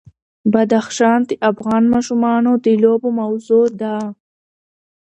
بدخشان د افغان ماشومانو د لوبو موضوع ده.